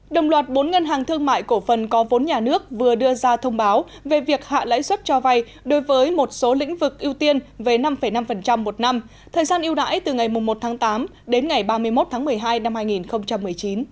đồng loạt bốn ngân hàng thương mại cổ phần có vốn nhà nước vừa đưa ra thông báo về việc hạ lãi suất cho vay đối với một số lĩnh vực ưu tiên về năm năm một năm thời gian ưu đãi từ ngày một tháng tám đến ngày ba mươi một tháng một mươi hai năm hai nghìn một mươi chín